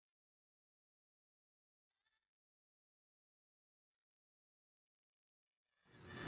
bunda gak akan ingali bening